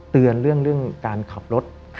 เตือนเรื่องการขับรถ